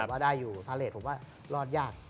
เออว่าได้อยู่ภารกิจผมว่ารอดยาก